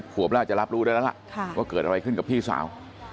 ขวบน่าจะรับรู้ได้แล้วล่ะว่าเกิดอะไรขึ้นกับพี่สาว